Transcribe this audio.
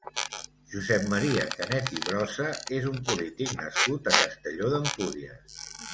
Josep Maria Canet i Brossa és un polític nascut a Castelló d'Empúries.